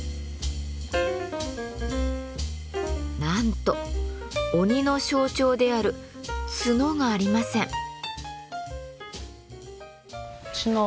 なんと鬼の象徴である角がありません。